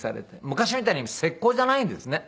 昔みたいに石膏じゃないんですね